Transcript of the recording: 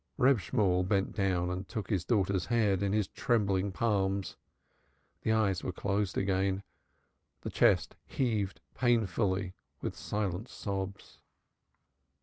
Reb Shemuel bent down and took his daughter's head in his trembling palms. The eyes were closed again, the chest heaved painfully with silent sobs.